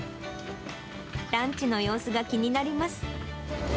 ランチの様子が気になります。